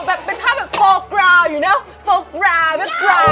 เป็นภาพโฟร์กราวอยู่เนาะ